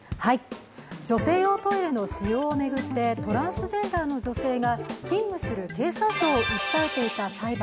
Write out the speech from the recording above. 女性用トイレの使用を巡ってトランスジェンダーの女性が勤務する経産省を訴えていた裁判。